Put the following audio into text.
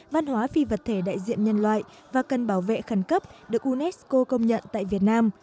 văn hóa phi vật thể đại diện nhân loại và cần bảo vệ khẩn cấp được unesco công nhận tại việt nam